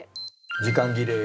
時間切れ。